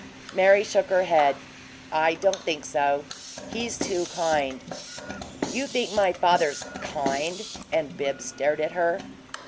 Mary shook her head. "I don't think so. He's too kind." "You think my father's KIND?" And Bibbs stared at her.